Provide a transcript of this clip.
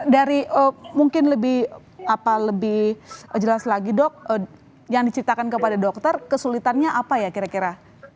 dari mungkin lebih jelas lagi dok yang diceritakan kepada dokter kesulitannya apa ya kira kira